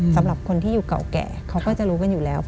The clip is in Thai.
สำหรับคนที่อยู่เก่าแก่